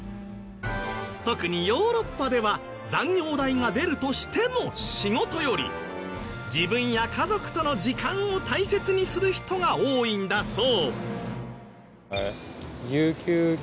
特にヨーロッパでは残業代が出るとしても仕事より自分や家族との時間を大切にする人が多いんだそう。